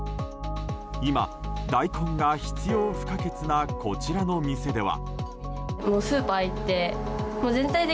今、大根が必要不可欠なこちらの店では。